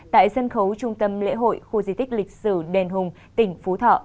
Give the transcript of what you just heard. tại sân khấu trung tâm lễ hội khu di tích lịch sử đền hùng tỉnh phú thọ